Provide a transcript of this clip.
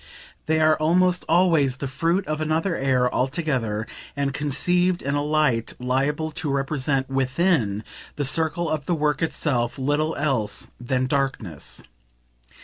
They are almost always the fruit of another air altogether and conceived in a light liable to represent WITHIN the circle of the work itself little else than darkness.